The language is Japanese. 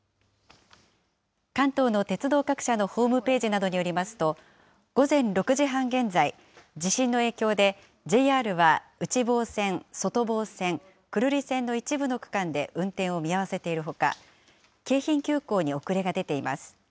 関東の鉄道各社のホームページなどによりますと、午前６時半現在、地震の影響で、ＪＲは内房線、外房線、久留里線の一部の区間で運転を見合わせているほか、京浜急行に遅れが出ています。